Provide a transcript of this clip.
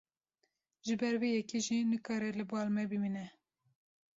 Ji ber vê yekê jî nikare li bal me bimîne.